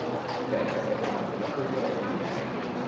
Il tetto è formato da cupole e minareti.